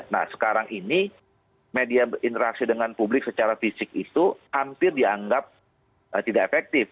nah sekarang ini media berinteraksi dengan publik secara fisik itu hampir dianggap tidak efektif